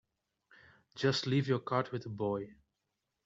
Just leave your card with the boy.